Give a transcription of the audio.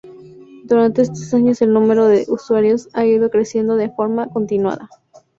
Durante estos años el número de usuarios ha ido creciendo de forma continuada.